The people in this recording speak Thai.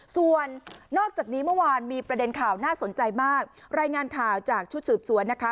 ส่วนนอกจากนี้เมื่อวานมีประเด็นข่าวน่าสนใจมากรายงานข่าวจากชุดสืบสวนนะคะ